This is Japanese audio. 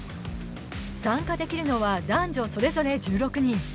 参加できるのは男女それぞれ１６人。